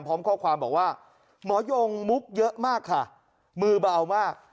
พร้อมข้อความบอกว่าหมอยงมุกเยอะมากค่ะมือเบามาก